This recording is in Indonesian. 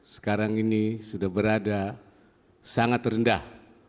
sekarang ini sudah berada sangat rendah